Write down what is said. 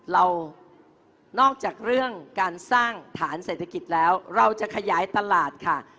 เรานอกจากเรื่องการสร้างฐานเศรษฐกิจแล้วเราจะขยายตลาดค่ะ